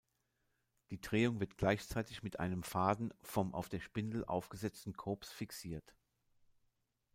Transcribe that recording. Die Drehung wird gleichzeitig mit einem Faden vom auf der Spindel aufgesetzten Kops fixiert.